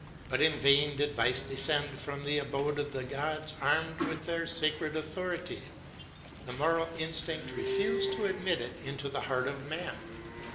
But in vain did vice descend from the abode of the gods armed with their sacred authority; the moral instinct refused to admit it into the heart of man.